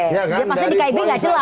masa di kib nggak jelas